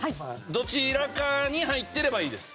どちらかに入ってればいいです。